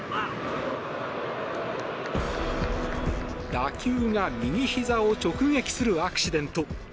打球が右ひざを直撃するアクシデント。